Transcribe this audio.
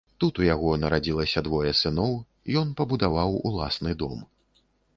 Тут у яго нарадзілася двое сыноў, ён пабудаваў уласны дом.